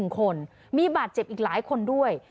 ๑คนมีบาดเจ็บอีกหลายคนด้วย